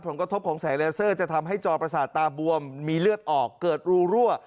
ผลกระทบของแสงแลเซอร์จะทำให้จอประสาทตาบวมมีเลือดออกเกิดรูรั่ว